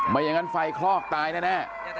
ไม่อย่างนั้นไฟคลอกตายแน่